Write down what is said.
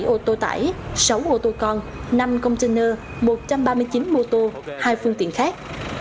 ba mươi bảy ô tô tải sáu ô tô con năm container một trăm ba mươi chín mô tô hai phương tiện khác